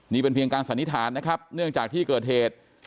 นี่เป็นเพียงการสันนิษฐานนะครับเนื่องจากที่เกิดเหตุ